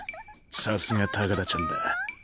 さすが高田ちゃんだ。